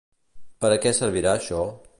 Per a què servirà això?